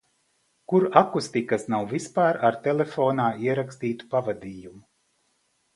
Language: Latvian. Kur akustikas nav vispār ar telefonā ierakstītu pavadījumu.